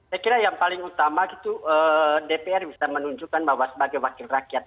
saya kira yang paling utama itu dpr bisa menunjukkan bahwa sebagai wakil rakyat